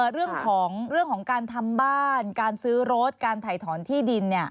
เรื่องของการทำบ้านการซื้อรถการถ่ายถอนที่ดิน